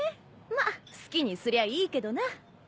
まあ好きにすりゃいいけどな。